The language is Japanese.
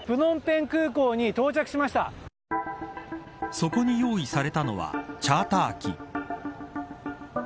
そこに用意されたのはチャーター機。